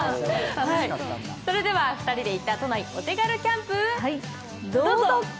それでは、２人で行った都内お手軽キャンプ！